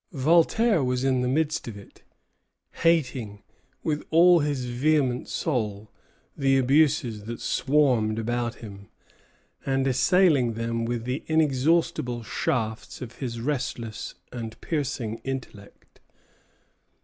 Voltaire was in the midst of it, hating, with all his vehement soul, the abuses that swarmed about him, and assailing them with the inexhaustible shafts of his restless and piercing intellect.